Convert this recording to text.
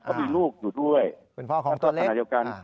เขามีลูกอยู่ด้วยคุณพ่อของตัวเล็ก